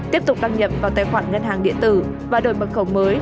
tiếp tục đăng nhập vào tài khoản ngân hàng điện tử và đổi mật khẩu mới